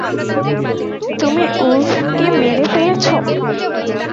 তুমি উলফকে মেরে ফেলেছো?